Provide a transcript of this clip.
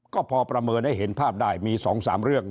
ก็พอประเมินให้เห็นภาพได้มี๒๓เรื่อง